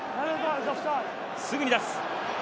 すぐに出す！